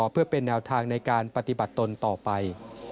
เพื่อเป็นแนวทางในการปฏิบัติตนต่อไป